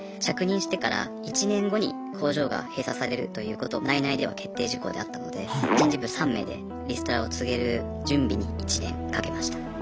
着任してから１年後に工場が閉鎖されるということを内々では決定事項であったので人事部３名でリストラを告げる準備に１年かけました。